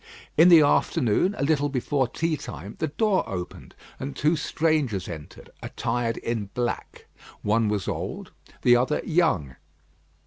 In the afternoon, a little before tea time, the door opened and two strangers entered, attired in black. One was old, the other young.